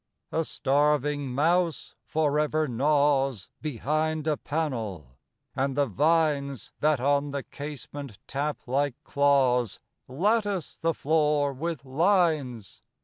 A starving mouse forever gnaws Behind a panel; and the vines, That on the casement tap like claws, Lattice the floor with lines.